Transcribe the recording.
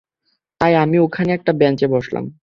তাই আমি ওখানে একটা বেঞ্চে বসলাম।